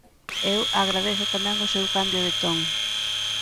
Eu agradezo tamén o seu cambio de ton.